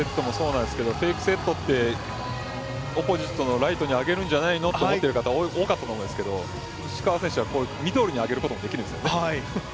テイクセットってオポジットのライトにあげるんじゃないのと思ってる方が多いかもしれませんけど石川選手はミドルに上げることもできるんですよね。